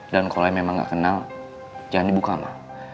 dan kalau yang memang gak kenal jangan dibuka ma